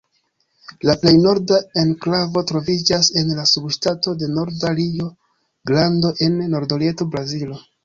La plej norda enklavo troviĝas en la subŝtato de Norda Rio-Grando en nordorienta Brazilo.